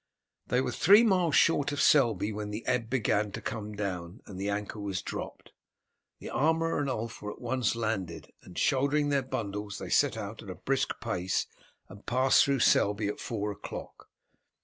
They were three miles short of Selby when the ebb began to come down and the anchor was dropped. The armourer and Ulf were at once landed, and shouldering their bundles they set out at a brisk pace and passed through Selby at four o'clock.